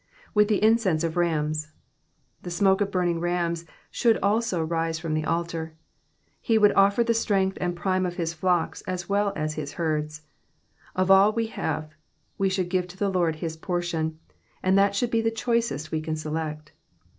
With the incense of ratns,"*^ The smoke of burning rams should also rise from the altar ; he would offer the strength and prime of his flocks as well as his herds. Of all we have we should give the Lord his portion, and that should be the choicest we can select.